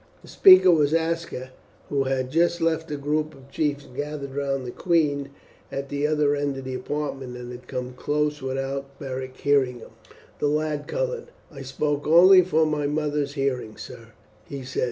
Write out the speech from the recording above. The speaker was Aska, who had just left the group of chiefs gathered round the queen at the other end of the apartment, and had come close without Beric hearing him. The lad coloured. "I spoke only for my mother's hearing, sir," he said.